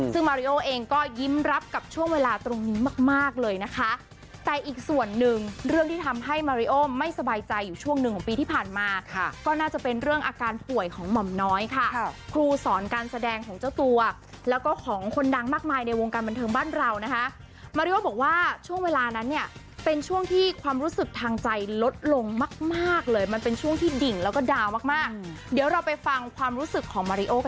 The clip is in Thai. ซึ่งมายาพิสวงที่ต่างประเทศด้วยมายาพิสวงที่ต่างประเทศด้วยซึ่งมายาพิสวงที่ต่างประเทศด้วยซึ่งมายาพิสวงที่ต่างประเทศด้วยซึ่งมายาพิสวงที่ต่างประเทศด้วยซึ่งมายาพิสวงที่ต่างประเทศด้วยซึ่งมายาพิสวงที่ต่างประเทศด้วยซึ่งมายาพิสวงที่ต่างประเทศด้วยซึ่งมายาพิ